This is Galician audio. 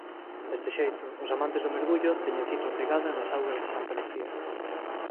Deste xeito os amantes do mergullo ten cita obrigada nas augas de Santa Lucía.